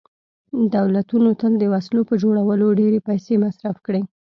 دولتونو تل د وسلو په جوړولو ډېرې پیسې مصرف کړي